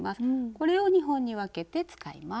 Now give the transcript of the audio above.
これを２本に分けて使います。